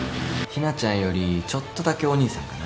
日菜ちゃんよりちょっとだけお兄さんかな。